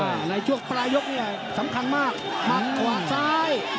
ในช่วงปลายยกเนี่ยสำคัญมากมัดขวาซ้าย